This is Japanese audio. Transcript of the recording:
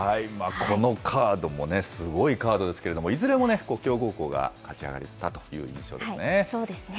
このカードもね、すごいカードですけれども、いずれも強豪校が勝ち上がりかという印象ですね。